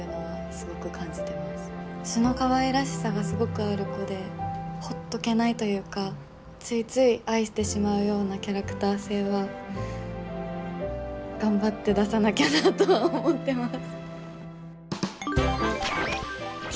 素のかわいらしさがすごくある子でほっとけないというかついつい愛してしまうようなキャラクター性は頑張って出さなきゃなとは思ってます。